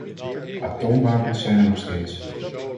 Atoomwapens zijn er nog steeds.